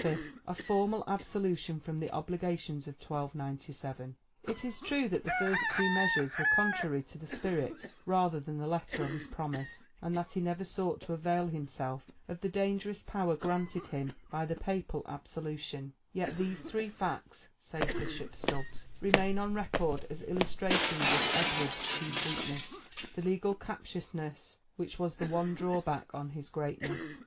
a formal absolution from the obligations of 1297. It is true that the first two measures were contrary to the spirit rather than the letter of his promise, and that he never sought to avail himself of the dangerous power granted him by the papal absolution, yet these three facts, says Bishop Stubbs, "remain on record as illustrations of Edward's chief weakness, the legal captiousness, which was the one drawback on his greatness."